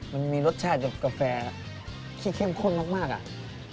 มันมีรสชาติกับกาแฟที่เข้มข้นมากอ่ะ